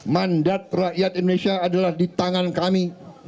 mandat rakyat indonesia adalah di tangan kami